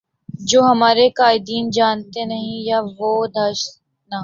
جو ہمارے قائدین جانتے نہیں یا وہ دانستہ